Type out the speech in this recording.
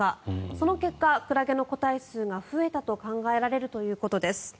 その結果クラゲの個体数が増えたと考えられるということです。